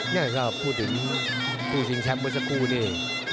นี่ก็พูดถึงคู่ชิงแชมป์เมื่อสักครู่นี่